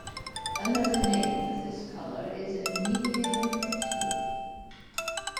Another name for this color is medium taupe.